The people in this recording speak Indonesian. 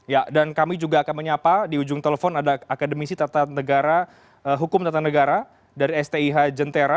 ya dan kami juga akan menyapa di ujung telepon ada akademisi hukum tata negara dari stih jentera